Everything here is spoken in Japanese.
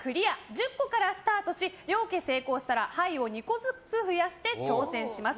１０個からスタートし両家成功したら牌を２個ずつ増やして挑戦します。